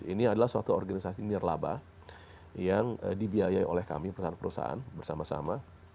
ini adalah suatu organisasi nirlaba yang dibiayai oleh kami perusahaan perusahaan bersama sama